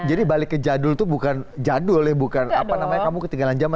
jadi balik ke jadul itu bukan jadul ya bukan apa namanya kamu ketinggalan zaman